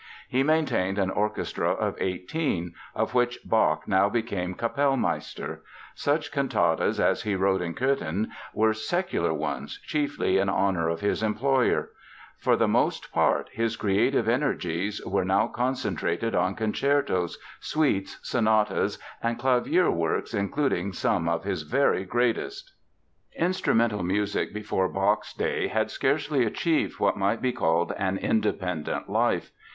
He maintained an orchestra of eighteen of which Bach now became Kapellmeister. Such cantatas as he wrote in Cöthen were secular ones, chiefly in honor of his employer. For the most part his creative energies were now concentrated on concertos, suites, sonatas, and clavier works including some of his very greatest. [Music: Contemporary score for three minuets by Bach.] Instrumental music before Bach's day had scarcely achieved what might be called an independent life.